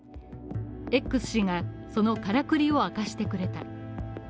Ｘ氏がそのカラクリを明かしてくれた。